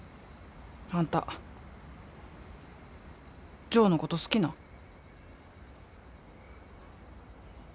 あんたジョーのこと好きなん？